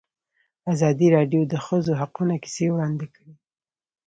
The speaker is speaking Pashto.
ازادي راډیو د د ښځو حقونه کیسې وړاندې کړي.